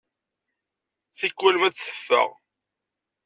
Tikwal ma d-teffeɣ.